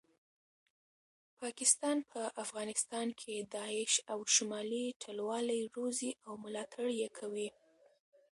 پاکستان په افغانستان کې داعش او شمالي ټلوالي روزي او ملاټړ یې کوي